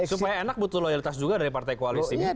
supaya enak butuh loyalitas juga dari partai koalisi